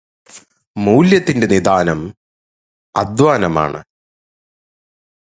മൂല്യത്തിന്റെ നിദാനം അദ്ധ്വാനമാണ്.